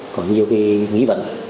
có nhiều cái nghĩ vận